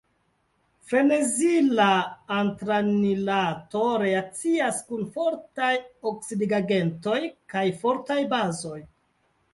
Farnezila antranilato reakcias kun fortaj oksidigagentoj kaj fortaj bazoj.